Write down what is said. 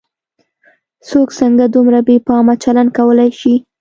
څوک څنګه دومره بې پامه چلن کولای شي.